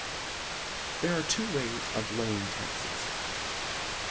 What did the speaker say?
71 There are two ways of laying taxes.